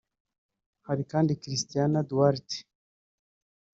Hari kandi Cristina Duarte